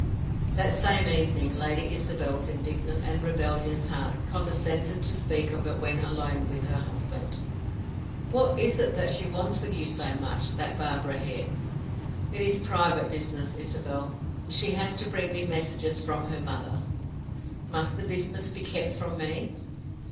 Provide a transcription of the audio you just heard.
That same evening, Lady Isabel's indignant and rebellious heart condescended to speak of it when alone with her husband. "What is it that she wants with you so much, that Barbara Hare?" "It is private business, Isabel. She has to bring me messages from her mother." "Must the business be kept from me?"